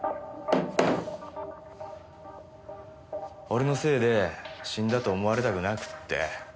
俺のせいで死んだと思われたくなくって。